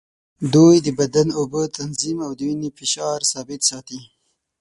دوی د بدن اوبه تنظیم او د وینې فشار ثابت ساتي.